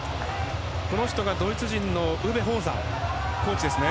この人がドイツ人のコーチですね。